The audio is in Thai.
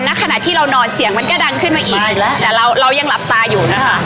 ณขณะที่เรานอนเสียงมันก็ดังขึ้นมาอีกแล้วแต่เราเรายังหลับตาอยู่นะคะ